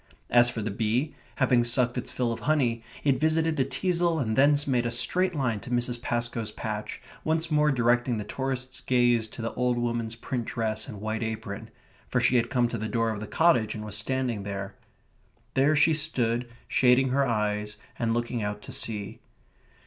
As for the bee, having sucked its fill of honey, it visited the teasle and thence made a straight line to Mrs. Pascoe's patch, once more directing the tourists' gaze to the old woman's print dress and white apron, for she had come to the door of the cottage and was standing there. There she stood, shading her eyes and looking out to sea.